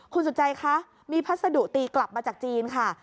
คุณสุจัยคะมีพัสดุตีกลับมาจากจีนค่ะ